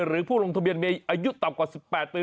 หรือผู้ลงทะเบียนมีอายุต่ำกว่า๑๘ปี